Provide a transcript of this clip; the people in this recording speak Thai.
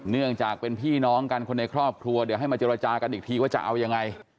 เนื่องจากเป็นพี่น้องกันคนในครอบครัวเดี๋ยวให้มาเจรจากันอีกทีว่าจะเอายังไง